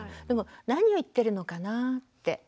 でも何を言ってるのかなぁって。